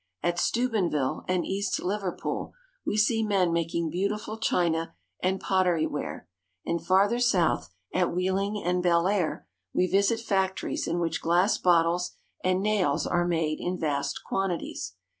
At Steu benville and East Liverpool we see men making beautiful china and pottery ware, and farther south, at Wheeling and Bellaire, we visit factories in which glass bottles and nails are made in vast quantities.